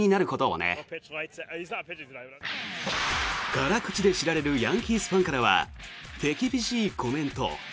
辛口で知られるヤンキースファンからは手厳しいコメント。